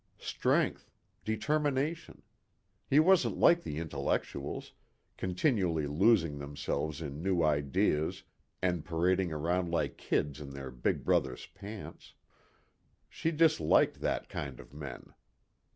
Strength, determination. He wasn't like the intellectuals, continually losing themselves in new ideas and parading around like kids in their big brothers' pants. She disliked that kind of men.